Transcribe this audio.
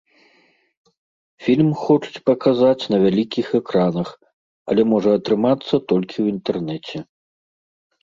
Фільм хочуць паказаць на вялікіх экранах, але можа атрымацца толькі ў інтэрнэце.